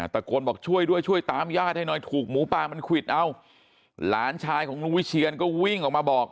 ตะโกนบอกช่วยด้วยช่วยตามญาติให้หน่อยถูกหมูปลามันควิดเอาหลานชายของลุงวิเชียนก็วิ่งออกมาบอก